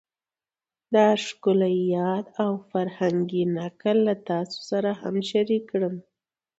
دا ښکلی یاد او فرهنګي نکل له تاسو سره هم شریک کړم